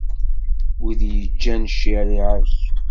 Wid i yeǧǧan ccariɛa-k.